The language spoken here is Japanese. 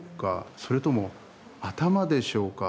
それとも頭でしょうか。